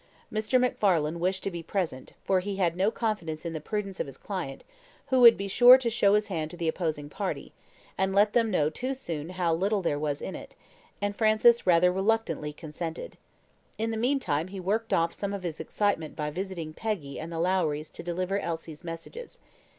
Mr. MacFarlane wished to be present, for he had no confidence in the prudence of his client, who would be sure to show his hand to the opposing party, and let them know too soon how little there was in it, and Francis rather reluctantly consented. In the mean time he worked off some of his excitement by visiting Peggy and the Lowries to deliver Elsie's messages.